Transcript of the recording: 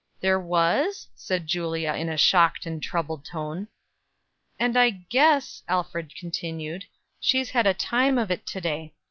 "There was?" said Julia, in a shocked and troubled tone. "And I guess," Alfred continued, "she's had a time of it to day.